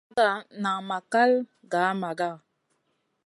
Caga nan ma kal gah Maga.